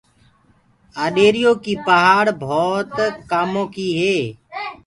آڏيري يو ڪي پآڙه ڀوت ڪآمو ڪيٚ هي۔